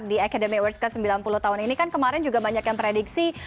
di academy awards ke sembilan puluh tahun ini kan kemarin juga banyak yang prediksi